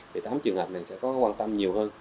thì tám trường hợp này sẽ có quan tâm nhiều hơn